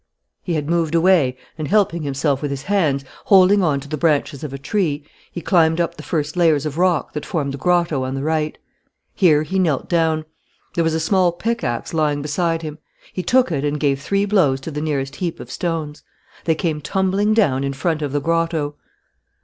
He had moved away and, helping himself with his hands, holding on to the branches of a tree, he climbed up the first layers of rock that formed the grotto on the right. Here he knelt down. There was a small pickaxe lying beside him. He took it and gave three blows to the nearest heap of stones. They came tumbling down in front of the grotto.